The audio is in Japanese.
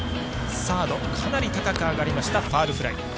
サードかなり高く上がりましたファウルフライ。